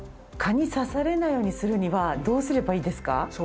蚊に刺されないようにするにはどうすればいいですか？